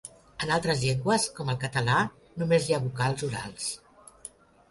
En altres llengües, com el català, només hi ha vocals orals.